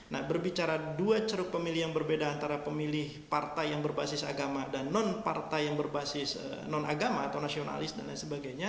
nah berbicara dua ceruk pemilih yang berbeda antara pemilih partai yang berbasis agama dan non partai yang berbasis non agama atau nasionalis dan lain sebagainya